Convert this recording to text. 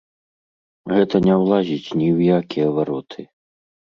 Гэта не ўлазіць ні ў якія вароты.